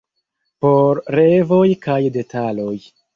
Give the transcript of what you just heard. Por revoj kaj detaloj.